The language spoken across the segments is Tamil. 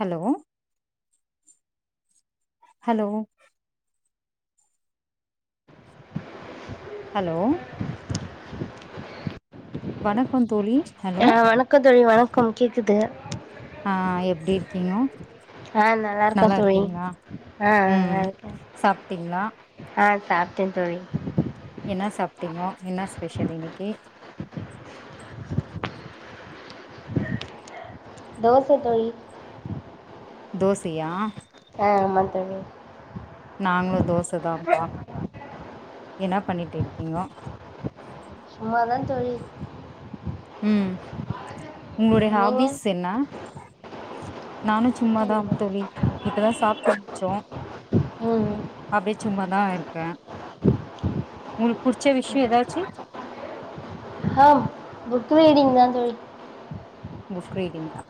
ஹலோ ஹலோ ஹலோ வணக்கோ தோழி ஹலோ ஆ வணக்கோ தோழி வணக்கம் கேக்குது ஆ எப்டி இருக்கீங்க ஆ நல்லாருக்க தோழி ஆ ம் நல்லாருக்க சாப்ட்டீங்களா ஆ சாப்ட்டே தோழி என்னா சாப்பிட்டீங்கோ என்ன ஸ்பெஷல் இன்னைக்கு தோச தோழி தோசையா அ ஆமா தோழி நாங்களு தோச தாபா என்னா பண்ணிட்டு இருக்கீங்கோ சும்மா தா தோழி ம் உங்களுடைய நீங்க ஹாபிஸ் என்ன நானு சும்மாதான் தோழி இப்ப தா சாப்ட்டு முடிச்சோ ம் அப்டே சும்மாதா இருக்க உங்ளுக்கு புடிச்ச விஷயோ எதாச்சு ஆம் புக் ரீடிங் தா தோழி புக் ரீடிங் தா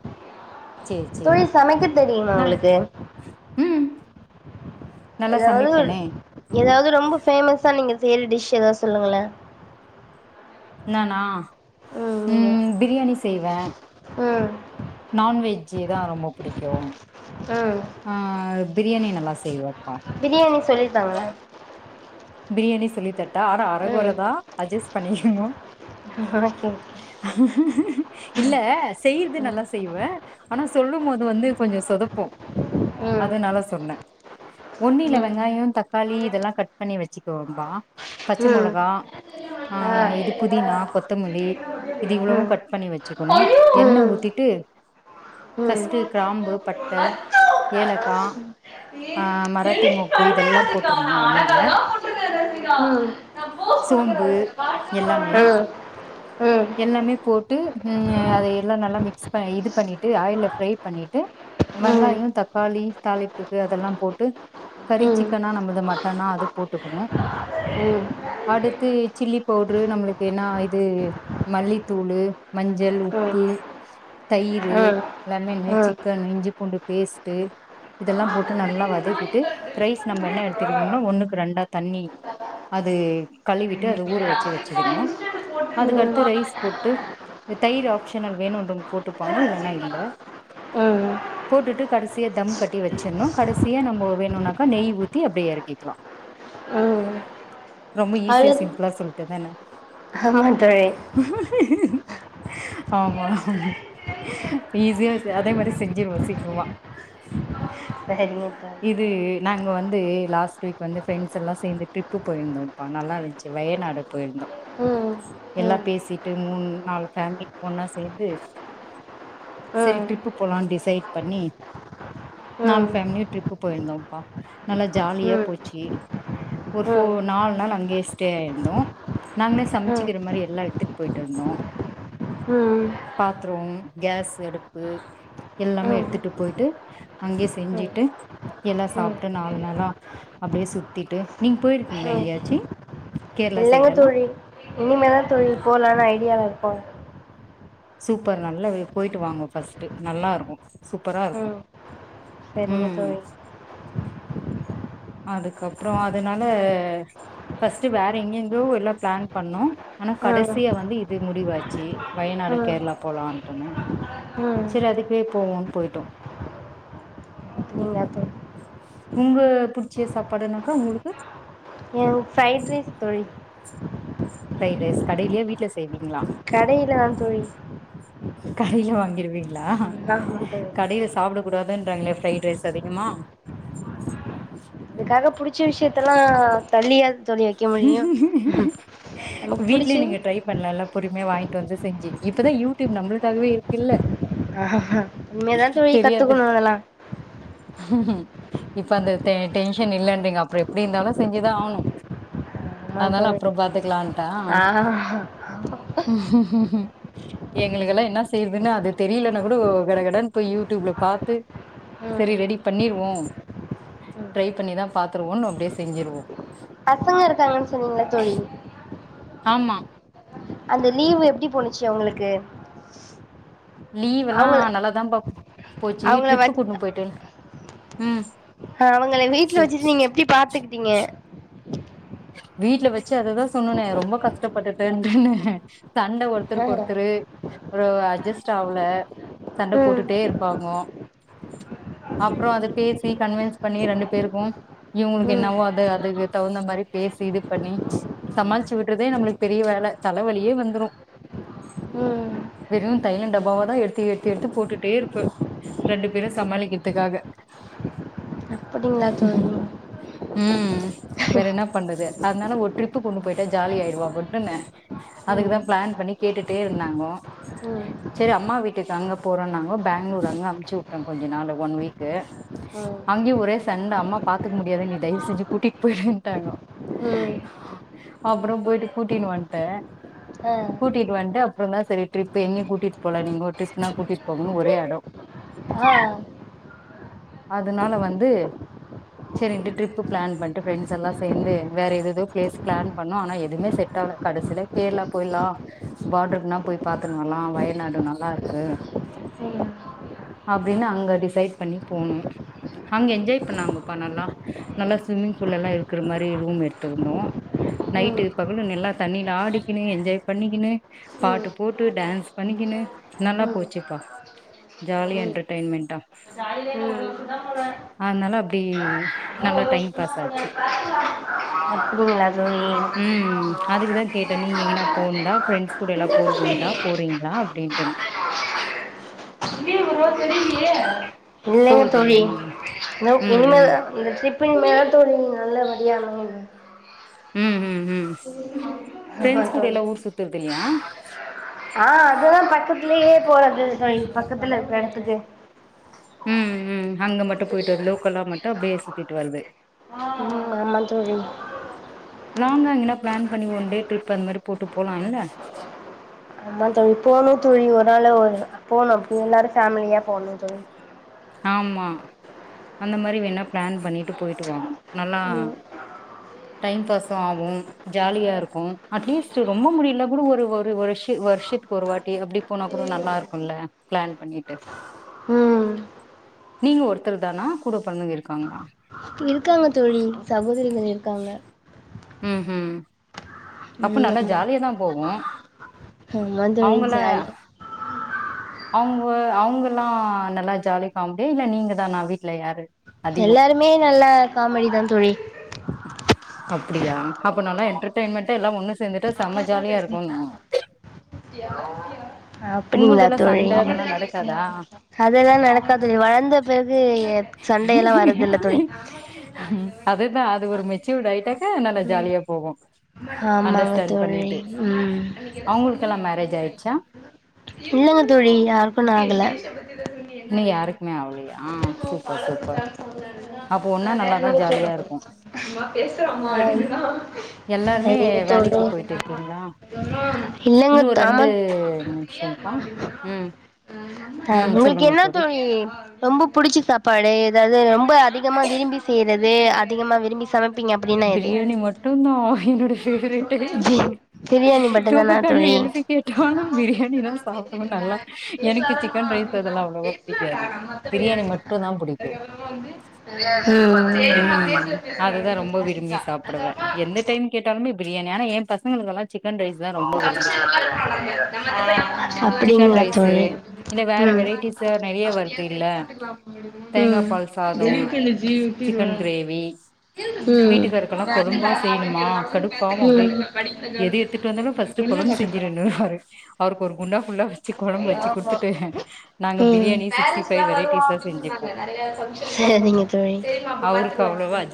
சேரி தோழி சேரி சமைக்க தெரியுமா நா உங்களுக்கு ம் நல்லா எதாவது சமைப்பேனே எதாவது ரொம்ப ஃபேமஸா நீங்க செய்யிற டிஷ் எதாவது சொல்லுங்களே நானா ம் பிரியாணி செய்வ ம் நான்வெஜ்ஜி தா ரொம்ப புடிக் கெவம் ம் ஆ பிரியாணி நல்லா செய்வேப்பா பிரியாணி சொல்லி தாங்களே பிரியாணி சொல்லி தர்ட்டா அர அரகொர ம் தா அட்ஜஸ்ட் பண்ணிக்கனு ஓகே இல்ல செய்றது ம் நல்லா செய்வே அனா சொல்லும் போது வந்து கொஞ்சோ சொதப்பூ அதனால சொன்ன ஒன்னில்ல ம் வெங்காயோ தக்காளி இதல்லா கட் பண்ணி வெச்சுக்குவ பா பச்ச ம் ம் மொளகா ஆ இது புதினா கொத்தமல்லி இது இவ்வளவு கட் பண்ணி வெ ச்சிக்கணு ஐயோ எண்ண ம் ஊத்திட்டு ம் ஃபஸ்ட்டு கிராம்பு பட்ட அச்சோ ஏலக்கா ஏ, ஆ மராட்டி மொக்கு பண்ணு இதல்லா ரசிகா. போட்ருன்னு நான் எண்ணெயில அழகழகா போட்டிருக்கேன் ரசிகா. நான் கொடுக்கிறேன் சோம்பு ரசிகா. பாட்டு எல்லாமே ஒரு ம் எல்லாமே போட்டு ம் அத எல்லா நல்லா மிக்ஸ் ப இது பண்ணீட்டு ஆயில்ல ஃப்ரை பண்ணீட்டு ம் ம் வெங்காயோ தக்காளி தாளிப்புக்கு அதல்லா போட்டு கறி ம் சிக்கனா நம்மள்து மட்டனா அது போட்டுக்கணு அடுத்து சில்லி பவுரு நம்மளுக்கு என்னா இது மல்லித்தூளு மஞ்சள் ம் உப்பு தயிரு ம் லெமனு ம் ம் சிக்கனு இஞ்சி பூண்டு பேஸ்ட்டு இதல்லா போட்டு நான்தான் நல்லா தெரியுது, நான் வதக்கிட்டு இப்ப ரைஸ் நம்ம என்ன பண்ணேன். எடுத்திருக்கணுமோ ஒண்ணுக்கு ரெண்டா தண்ணீ அது கழுவீட்டு அது ஊற வச்சு ரசிகா வெச்சிக்கணு அதுக் அடு த்து போட்டிருக்காங்க. ரைஸ் போட்டு இது தயிர் ஆப்ஷனல் வேணுன்றவங் போட்டுப்பாங்க இல்லன்னா இல்ல அ போட்டுட்டு கடசியா தம் கட்டி வெச்சிர்ணு கடசியா நம்போ வேணுன்னாக்க நெய் ஊத்தி அப்டே எறக்கிக்கலா அ ரொம்ப ஈஸியா சிம்புளா சொல்ட்டதான ஆமா தோழி ஆமா ஈஸியா செ அதே மாரி செஞ்சிருவோ சீக்ரமா சேரி ஓக் இது நாங்க வந்து லாஸ்ட் வீக் வந்து ஃப்ரெண்ட்ஸ் எல்லா சேந்து ட்ரிப்பு போய்ர்ந்தோ அப்ப நல்லா இருன்ச்சு வயநடு போய்ருந்தோ ம் ம் எல்லா ம் ம் பேசிட்டு மூண் நாலு ஃபேம்லி ஒண்ணா சேந்து செரி ட்ரிப்பு போலான் டிசைட் பண்ணி ம் ம் நாலு ம் ஃபேம்லியு ட்ரிப்பு போய்ருந்தோம்ப்பா நல்லா ஜாலியா ம் போச்சி ஒரு ஃபோ நாலு நாள் அங்யே ஸ்டே ஆயிருந்தோ நாங்ளே சம்ச்சி கிற மாரி எல்லா எடுத்துட் போய்ட்ருந்தோ ம் ம் பாத்ரோம் கேஸ் அடுப்பு எல்லாமே ம் எடுத்துட்டு போய்ட்டு அங்யே செஞ்சிட்டு எல்லா ம் சாப்ட்டு நாலு நாளா அப்டியே சுத்திட்டு நீங் போய்ர்க்கிங்ளா எங்யாச்சி இல்லங்க தோழி இனிமேதா தோழி போலான்னு ஐடியாலருக்கோ சூப்பர் நல்லா போய்ட்டு வாங்கோ ஃபர்ஸ்ட்டு நல்லாருக்கும் சூப்பராருக்கும் செரிங்க தோழி அதுக்கப்றோ அதனால ஃபஸ்ட்டு வேற எங்கேந்தோ எல்லா ப்ளான் பண்ணோ ஆனா ம் கடசியா வந்து இது முடிவாச்சு வயநாடு ம் கேர்ளா போலான்ட்டுனு ம் செரி அதுக்கே போவோன் போய்ட்டோ அப்படிங்களா தோழி உங்க புட் ச்சே சாப்பாடுனாக்கா உங்குளுக்கு ஃப்ரைட் ரைஸ் தோழி ப்ரைட் ரைஸ் கடைலியா வீட்ல செய்விங்ளா கடையில் தான் தோழி கடைல வாங்கிருவிங்ளா எல்லா இங்குட்டு சாப்டக்கூடாதுன்றாங்ளே ஃப்ரைட் ரைஸ் அதிகமா அதுக்காக புடிச்ச விஷ்யத்தல்லா தள்ளியா தோழி வெக் க்க முடியு நமக் புடிச்சது பண்லாலா பொருமியா வாங்கிட்டு வந்து செஞ்சு இப்பதா யூடியூப் நம்ளுக்காகவே இருக்கு இல்ல இன்மே தா தோழி கத்துக்குணு அதல்லா இப்ப அந்த டெ டென்ஷன் இல்லன்றிங்க அப்றோ எப்டி இர்ந்தாலு செஞ்சுதா ஆகணு ஆமா அத்னால தோழி அப்ற பாத்துக்லான்ட்டா ஆ எங்களுக்கெல்லா இன்ன செய்றதுனு அது தெரிலனாகுடோ கடகடன் போய் யூடியூப்ல பாத்து ம் செரி ரெடி பண்ணிருவோ ம் ட்ரை பண்ணிதா பாத்ருவோன்னு அப்டியே செஞ்சிருவோ பசங்க இருக்காங்கன் சொன்னிங்ள தோழி ஆம்மா அந்த லீவு எப்டி போனுச்சு அவுங்களுக்கு லீவுல்லா நல்லாதா பா போச்சு அவங்கள வ ட்ரிப்பு கூட்னு போய்ட்டு ம் ஆ அவங்கள வீட்ல சரி. வெச்சிட்டு நீங்க எப்டி பாத்துக்கிட்டிங்க வீட்ல வெச்சு அததா சொன்னனே ரொம்ப கஷ்டப்பட்டுட்டேன்டுன்னு சண்ட ஒர்த்தருக்கு ஒர்த்தரு ஒரு அட்ஜஸ்ட் ஆவுல சண்ட ம் போட்டுட்டே இருப்பாங்கோ அப்றோ அத பேசி கன்வின்ஸ் பண்ணி ரெண்டு பேருக்கும் இவுங்குளுக்கு ம் என்னவோ அத அதுக்கு தகுந்த மாரி பேசி இது பண்ணி சமாள்ச்சு விட்றதே நம்ளுக்கு பெரிய வேல தலவலியே வந்துரு ம் வெறு தைல டப்பாவாதா எடுத்து எடுத்து எடுத்து போட்டுட்டே இருப்ப ரெண்டு பேரு சமாளிக்கிறதுக்காக ங்ளா தோழி ம் வேற என்னா பண்ணது அதனால ஒரு ட்ரிப்பு கூட்னு போயிட்டா ஜாலி ஆயிடுவா அப்தான அதுக்குதா ம் பிளான் பண்ணி கேட்டுட்டே இருந்தாங்கோ ம் சேரி அம்மா வீட்டுக்கு அங்க போறோனாங்கோ பேங்ளூர் அங்க அமுச்சு உட்ட கொஞ்ச நாளு ஒன் வீக்கு அங்கயு ஒரே சண்ட அம்மா பாத்துக்க முடியாது நீ தயவு செஞ்சு கூட்டிட்டு போயிடுன்ட்டாங்கோ ம் ம் அப்பற போயிட்டு கூட்டினு வன்ட்ட ம் கூட்டிட்டு வன்ட்டு அப்றந்தா சரி டிரிப்பு எங்யு கூட்டிட்டு போல நீங்கோ ட்ரிப்னா கூட்டிட்டு போங்கனு ஒரே அடோ ஆ அதுனால வந்து செரின்ட்டு டிரிப்பு பிளான் பண்ட்டு ஃப்ரெண்ட்ஸ் எல்லா சேந்து வேற ஏதோதோ ப்ளேஸ் பிளான் பண்ணோ ஆனா எதுமே செட் ஆகல கடைசில கேரளா போயிலா பாடர்க்னா போய் பாத்துனு வரலா வயநாடு நல்லாருக்கு ம் அப்டின்னு அங்க டிசைட் பண்ணி போனு அங்க என்ஜாய் பண்ணாங்கப்பா நல்லா நல்லா சும்மிங் பூல் எல்லா இருக்கிற மாரி ரூம் எடுத்திருந்தோ ம் நைட்டு பகலு நல்லா தண்ணியில ஆடிக்கினு என்ஜாய் பண்ணிக்கினு பாட்டு ம் போட்டு டான்ஸ் பண்ணிக்கினு நல்லா போச்சுப்பா ஜாலியா ம் என்டர்டெயின்மெண்டா ம் அதுனால அப்டி நல்லா டைம் பாஸ் ஆச்சு தூங்னிங்ளா தோழி ம் அதுக்குதா கேட்டே நீங்க எங்கனா போண்டா ஃப்ரெண்ட்ஸ் கூட எல்லா போறதுண்டா போறிங்ளா அப்டின்ட்டு இல்லைங்க போறது தோழி இல்லையா நீங்க ந ம் ம் இனிமேல்தா இந்த ட்ரிப்பு இனிமேதா தோழி நீங்க நல்ல வடியா வருவிங்க ம் ம் ம் ஆமா ஃப்ரெண்ட்ஸ் கூட தோழி எல்லா ஊர் சுத்துறது இல்லையா ஆ அதுதா பக்கத்துலயே போறது தோழி பக்கத்துல இருக்ற எடத்துக்கு ம் ம் அங்க மட்டு போயிட்டு வரது லோக்கல்லா மட்டு அப்டியே சுத்திட்டு வரது ம் ஆமா தோழி லாங்கா எங்கன்னா பிளான் பண்ணி ஒன் டே ட்ரிப் அந்த மாரி போட்டு போலா இல்ல ஆமா தோழி போகணு தோழி ஒரு நாள் ஒரு போணு எல்லாரு ஃபேமிலியா போணு தோழி ஆமா அந்த மாரி வேணா பிளான் பண்ணிட்டு போயிட்டு வாங்க நல்லா ம் டைம் பாஸு ஆகு ஜாலியா இருக்கும் அட்லீஸ்ட் ரொம்ப முடிலனா கூட ஒரு ஒரு வருஷ வருஷத் ஒரு வாட்டி அப்டி போனா கூட நல்லா இருக்குல்ல பிளான் பண்ணிட்டு ம் நீங்க ஒருத்தர் தானா கூட பிறந்தவுங்க இருக்காங்களா இருக்காங்க தோழி சகோதரிகள் இருக்காங்க ம் ம் அப்ப ம் நல்லா ஆமா ஜாலியாதா போகு ஆமா தோழி அவங்கல்லா ஜாலியா அவங்க அவங்கல்லா நல்லா ஜாலி ஃபேமிலிய இல்ல நீங்கதானா வீட்ல யாரு அதிகோ எல்லாருமே நல்ல காமெடிதா தோழி அப்டியா அப்ப நல்லா என்டர்டெயின்மெண்டா எல்லா ஒண்ணு சேந்துட்டா செம்ம அவங்கள்ட்டலா ஜாலியா இருக்கு பேசுனீங்களா அப்டிங்களா உங்கள்தெல்லா தோழி சண்ட அதெல்லா நடக்காதா அதெல்லா நடக்காது வளந்த பிறகு எ சண்டையெல்லா வர்ரது இல்ல தோழி அதுதா அது ஒரு மெச்சூர்டு ஆய்டாக்க நல்ல ம் ஜாலியா போகு ஆமாங்க தோழி ம் அவுங்களுக்கெல்லா மேரேஜ் ஆய்ட்ச்சா இல்லங்க தோழி யாருக்கு இன்னோ ஆகல தோழி இன்னு யாருக்குமே ஆவுலையா சூப்பர் சூப்பர் அப்போ ஒன்னா நல்லாதா ஜாலியா இருக்கு எல்லாருமே சரிங்க தோழி வேலைக்கி போய் ட்டு இருக்கீங்களா இல்லங்க இன்னு ஒரு தோ ஆமா ரெண்டு நிமிஷம்ப்பா ம் அ ம் உங்களுக்கு சொல்லுங்க என்னா தோழி ரொம்ப புடிச்ச சாப்பாடு ஏதாவ்து ரொம்ப அதிகமா விரும்பி செய்யறது அதிகமா விரும்பி சமைப் பிங்க அப்டின்னா எது பிரியாணி மட்டுந்தா என்னோட ப்ரி ஃபேவரட்டு ப்ரியாணி மட்டு தூக்க தானா கண்ல தோழி எழுப்பி கேட்டாலும் ஆமா பிரியாணி பேசுற தான் பேசிட்டு சாப்பிடுவேன் இருக்கே நல்லா எனக்கு பேசலாதானு சிக்கன் ரைஸ் அப்படின்ல்லா அதெல்லா அவ்வளவா ண்ட பிடிக்காது ஆக மத்த பிராண பிரியாணி மட்டுந்தா புடிக்கு அதுக்கப்புறமா வந்து நைய ம் விருப்பி சாப்டுவே எந்த டைம் கேட்டாலுமே ப்ரியாணி ஆனா எ பசங்களுக்கெல்லா சிக்கன் ரைஸ்ஸு தா ரொம்ப விரும்பி ஃபங்க்ஷன்லா சாப்டுவாங்க இருப்பாங்க நம்ம அத்த பைய ஃபங்க்ஷன்லா சிக்கன் அப்டிங்களா ரைஸ்ஸு தோழி இல்ல வேற ம் வெரைட்டிஸ்ஸு நெறைய அப்டியா வருது இல்ல சரி பாத்துக்கலாம் தேங்கா பால் சாதோ சிரிச்சாங்க சிக்கன் கிரேவி ம் வீட்டுக்கருக்கெல்லா கொழும்பா பாத்துக்கலாமா செய்ணுமா அப்டின்னு கடுப்பாவு கேட்டதுக்கு அவங்க பாத்துக்கல அப்டே பாத்துக்கல படிப்புல எது கவனத்த எடுத்துட்டு வ ந்தாலு ஃபஸ்ட் செலுத்து கொழம்பு செஞ்சிரணுவரு அவ்ருக்கு ஒரு குண்டா ஃபுல்லா வச்சு கொழம்பு வச்சு ஆமா குடுத்துட்டு நாங்க ம் பிரியாணி சிக்ஸ்டி ஃபைவ் வெரைட்டிஸா செஞ்சுப்போ சரிங்க தோழி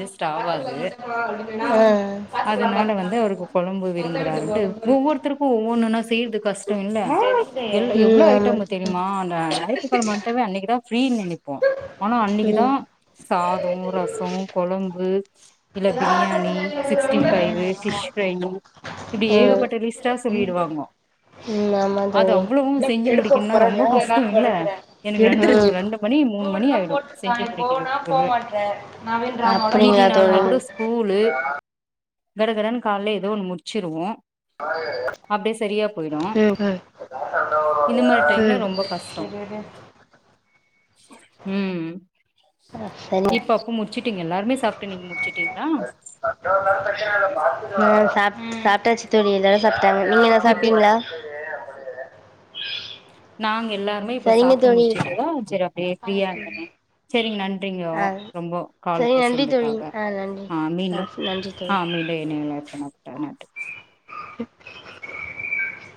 ஜஸ்ட் ஆவாது பாத்துக்கலா அதனால பாத்துக்கலா வந்து அவுருக்கு அப்டின்னா கொழம்பு சொந்த வீட்டு விரும்புறாருன்ட்டு போக போறீங்க ஒவ்வொருத்தருக்கு ஒவ்வொன்னுன்னா செய்யறது கஷ்டோ இல்ல எல் ம் எவ்ளோ ஆமா ஐட்டம்மு தெரிமா அந்த ஞாயித்துக்கெழம [inaudible] அன்னைக்கி தா ஃப்ரீ நெனைப்போ ஆனா அன்னைக்கு தா ம் சாதோ, ரசோ கொழம்பு இல்ல biryani sixty five fish fry இப்டி ம் ஏகப்பட்ட லிஸ்ட்டா சொல்லிடுவாங்கொ ம் ஆ மா தோழி [unintelligible] ம் முடிக்கணும்னா ரொம்ப கஷ்டோ இல்ல எனக்கு ரெண்டு ரெண்டு மணி மூணு மணி ஆயிடு செஞ்சு முடிக்கிறதுக்குள்ளே மீதி அப்டிங்களா நாள்னா தோழி கூட ஸ்கூலு கடகடன்னு கால்ல ஏதோ ஒண்ணு முடிச்சிருவோ அப்டியே சரியா போயிடு ம் ம் இந்த மாரி டைம்ல ரொம்ப கஷ்டோ ம் [unintelligible] ம் ஆ சரி இப்ப [unintelligible] முடிச்சிட் டிங்களா எல்லாருமே சாப்ட்டு நீங்க முடிச்சிட்டீங்களா ம் சாப் சாப்ட்டாச்சு தோழி எல்லாரு சாப்ட்டாங்க நீங்க என்ன இப்ப சாப்ட்டீங்களா நாங்க எல்லாருமே இப்ப சரிங்க சாப்ட்டு தோழி முடிச்சுட்டோ செரி அப்டியே ஃப்ரீயா இருந்தமேனு செரிங்க நன்றிங்க ஒ ஆ ரொம்ப கால் சரி நன்றி தோழி பேசுன்துக்காக ஆ நன்றி ஆ மீண்டு நன்றி ஆ தோழி மீண்டு இ லேட் பண்ண [unintelligible] [inaudible]